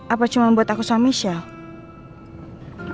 apa cuma buat aku sama michelle